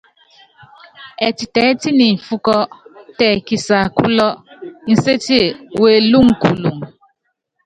Ɛtitɛɛ́tíni mfúkɔ́ tɛ kisaakúlɔ, Nsetie welúŋukuluŋ.